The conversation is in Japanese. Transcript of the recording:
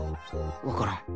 わからん。